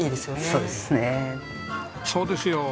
そうですよ。